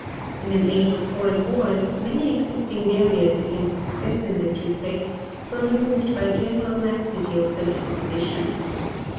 In an age of foreign wars, many existing barriers against success in this respect were removed by general laxity of social conditions.